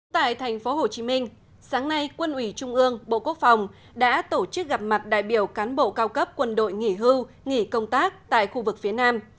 tại thành phố hồ chí minh sáng nay quân ủy trung ương bộ quốc phòng đã tổ chức gặp mặt đại biểu cán bộ cao cấp quân đội nghỉ hưu nghỉ công tác tại khu vực phía nam